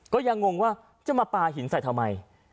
ก็ยังงงว่าจะมาปลาหินใส่ทำไม